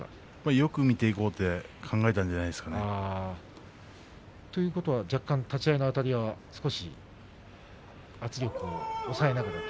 よく見ていこうと考えたんじゃないですかね。ということは立ち合いのあたりは若干抑えながらと。